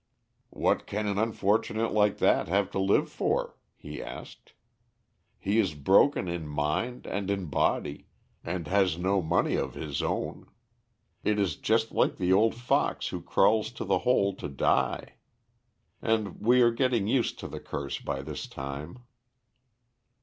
"What can an unfortunate like that have to live for?" he asked. "He is broken in mind and in body and has no money of his own. It is just like the old fox who crawls to the hole to die. And we are getting used to the curse by this time."